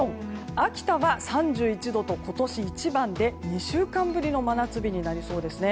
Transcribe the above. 秋田は３１度と今年一番で２週間ぶりの真夏日になりそうです。